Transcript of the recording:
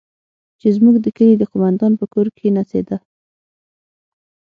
چې زموږ د کلي د قومندان په کور کښې نڅېده.